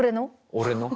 俺の？